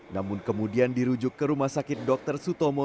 namun kemudian dirujuk ke rumah sakit dr sutomo